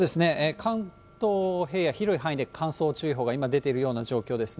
関東平野、広い範囲で乾燥注意報が今出ているような状況ですね。